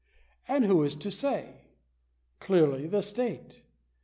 And who is to say ? Clearly the state.